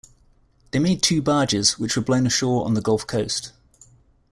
They made two barges, which were blown ashore on the Gulf Coast.